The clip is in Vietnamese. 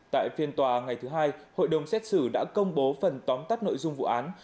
tại phiên tòa ngày thứ hai hội đồng xét xử đã công bố phần tóm tắt nội dung vụ án